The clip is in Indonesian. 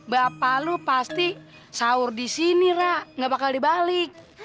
bapak lo pasti sahur di sini ra ga bakal dibalik